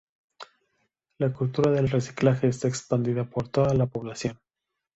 La cultura del reciclaje está expandida por toda la población.